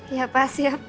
ya pak siap